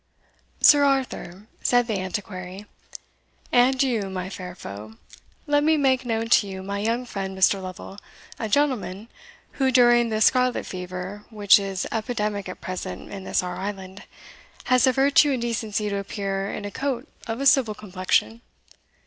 "Sir Arthur," said the Antiquary, "and you, my fair foe, let me make known to you my young friend Mr. Lovel, a gentleman who, during the scarlet fever which is epidemic at present in this our island, has the virtue and decency to appear in a coat of a civil complexion.